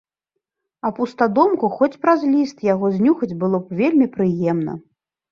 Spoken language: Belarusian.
А пустадомку хоць праз ліст яго знюхаць было б вельмі прыемна.